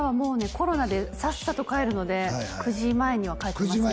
コロナでさっさと帰るので９時前には帰ってますね